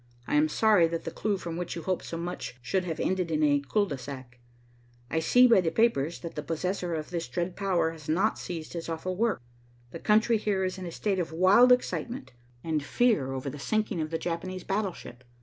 I am sorry that the clue from which you hoped so much should have ended in a cul de sac. I see by the papers that the possessor of this dread power has not ceased his awful work. The country here is in a state of wild excitement and fear over the sinking of the Japanese battleship.